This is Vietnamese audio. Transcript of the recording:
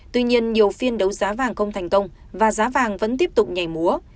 tuy nhiên nhiều phiên đấu giá vàng không thành công và giá vàng vẫn tiếp tục nhảy múa